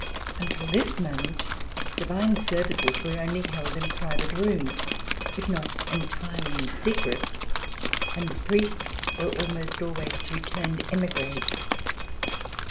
Until this moment, divine services were only held in private rooms, if not entirely in secret, and the priests were almost always returned emigres.